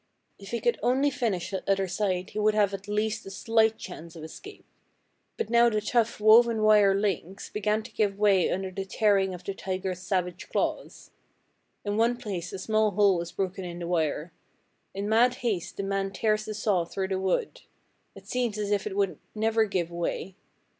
If he could only finish that other side he would have at least a slight chance of escape. But now the tough woven wire links began to give way under the tearing of the tiger's savage claws. In one place a small hole is broken in the wire. In mad haste the man tears the saw through the wood. It seems as if it would never give way.